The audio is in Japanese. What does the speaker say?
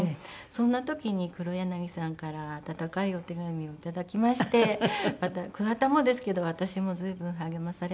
そんな時に黒柳さんから温かいお手紙を頂きまして桑田もですけど私も随分励まされました。